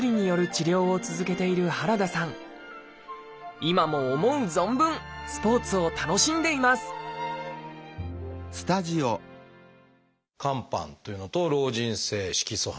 今も思う存分スポーツを楽しんでいます肝斑というのと老人性色素斑。